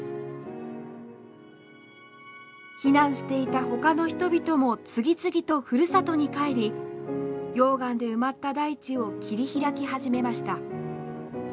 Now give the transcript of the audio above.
避難していたほかの人々も次々とふるさとに帰り溶岩で埋まった大地を切り開き始めました。